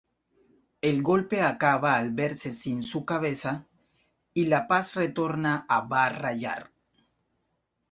El golpe acaba al verse sin su "cabeza", y la paz retorna a Barrayar.